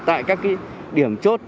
tại các điểm chốt